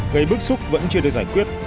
gây bức xúc vẫn chưa được giải quyết